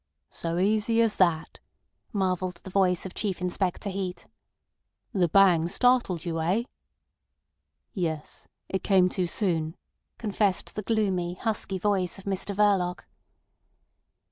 "So easy as that!" marvelled the voice of Chief Inspector Heat. "The bang startled you, eh?" "Yes; it came too soon," confessed the gloomy, husky voice of Mr Verloc.